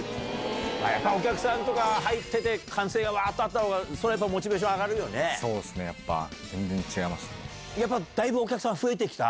やっぱりお客さんとか入ってて、歓声がわーっとあったほうが、それはやっぱモチベーションが上そうですね、やっぱ、全然違やっぱだいぶお客さん、増えてきた？